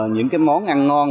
những món ăn ngon